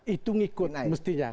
itu ngikut mestinya